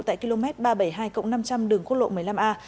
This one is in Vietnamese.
tại km ba trăm bảy mươi hai năm trăm linh đường quốc lộ một mươi năm a